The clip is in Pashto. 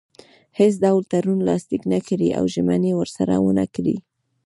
هیڅ ډول تړون لاسلیک نه کړي او ژمنې ورسره ونه کړي.